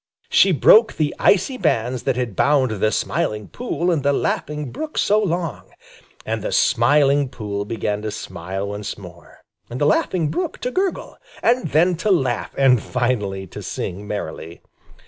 She broke the icy bands that had bound the Smiling Pool and the Laughing Brook so long; and the Smiling Pool began to smile once more, and the Laughing Brook to gurgle and then to laugh and finally to sing merrily.